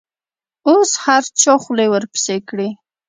اوس هر چا خولې ورپسې کړي.